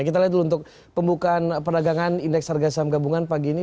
kita lihat dulu untuk pembukaan perdagangan indeks harga saham gabungan pagi ini